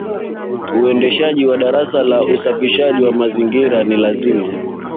Uendeshaji wa darasa la usafi wa mazingira ni lazima